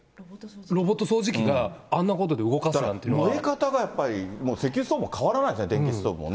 ロボット掃除機があんなことだから燃え方が、もう石油ストーブと変わらないですね、電気ストーブもね。